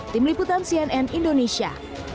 tim liputan cnn indonesia